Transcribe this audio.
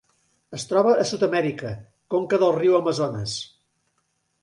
Es troba a Sud-amèrica: conca del Riu Amazones.